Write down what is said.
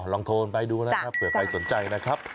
ลองโทรกันไปดูนะครับเผื่อใครสนใจนะครับ